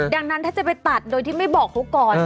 ดังนั้นถ้าจะไปตัดโดยที่ไม่บอกเขาก่อน